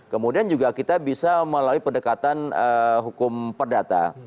kemudian juga kita bisa melalui pendekatan hukum perdata